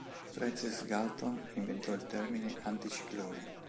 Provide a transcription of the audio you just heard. Francis Galton inventò il termine "anticiclone".